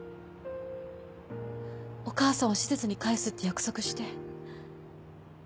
お母さんを施設に帰すって約束して。